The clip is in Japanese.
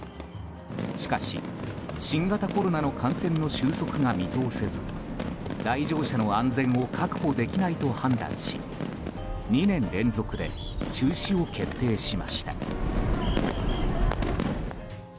しかし、新型コロナの感染の収束が見通せず来場者の安全を確保できないと判断し２年連続で中止を決定しました。